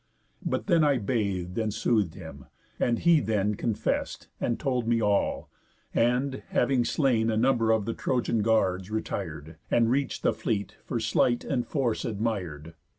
But then I bath'd and sooth'd him, and he then Confess'd, and told me all; and, having slain A number of the Trojan guards, retir'd, And reach'd the fleet, for sleight and force admir'd.